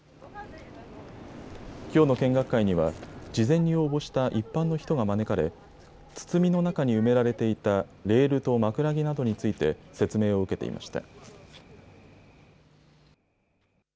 きょうの見学会には、事前に応募した一般の人が招かれ、堤の中に埋められていたレールと枕木などについて、説明を受けていました。